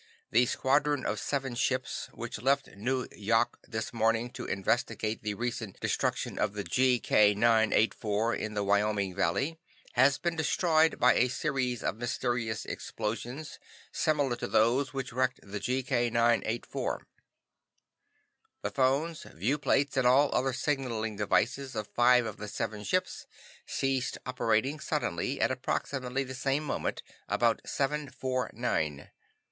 The squadron of seven ships, which left Nu yok this morning to investigate the recent destruction of the GK 984 in the Wyoming Valley, has been destroyed by a series of mysterious explosions similar to those which wrecked the GK 984. "The phones, viewplates, and all other signaling devices of five of the seven ships ceased operating suddenly at approximately the same moment, about seven four nine."